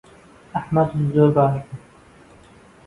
ئەحمەد زۆر باش بوو.